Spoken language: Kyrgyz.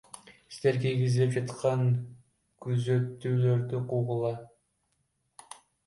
Силер киргизилип жаткан түзөтүүлөрдү окугула.